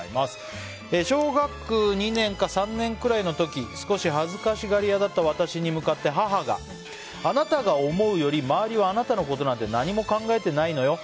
小学２年か３年くらいの時少し恥ずかしがり屋だった私に対して母が、あなたが思うより周りはあなたのことなんて何も考えていないのよ。